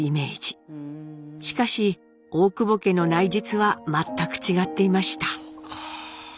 しかし大久保家の内実は全く違っていました。